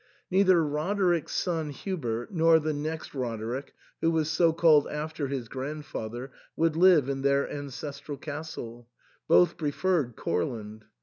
Neither Roderick's son Hubert, nor the next Roder ick, who was so called after his grandfather, would live in their ancestral castle ; both preferred Courland.